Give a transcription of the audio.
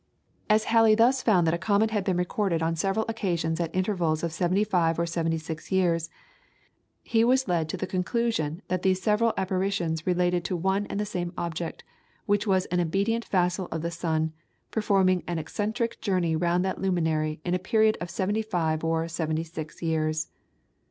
As Halley thus found that a comet had been recorded on several occasions at intervals of seventy five or seventy six years, he was led to the conclusion that these several apparitions related to one and the same object, which was an obedient vassal of the sun, performing an eccentric journey round that luminary in a period of seventy five or seventy six years.